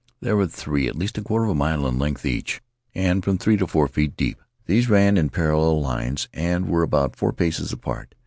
There were three at least a quarter of a mile in length each and from three to four feet deep. These ran in parallel lines and were about four paces apart.